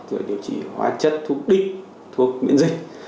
rồi điều trị hóa chất thuốc đính thuốc miễn dịch